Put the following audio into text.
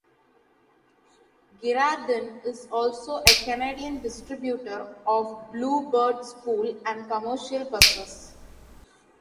Girardin is also a Canadian distributor of Blue Bird school and commercial buses.